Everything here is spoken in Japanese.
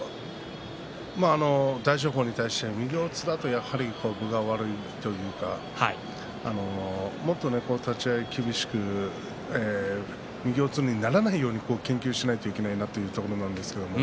大翔鵬に対して右四つだとやはり分が悪いというかもっと立ち合い厳しく右四つにならないように研究しないといけないなというところなんですけど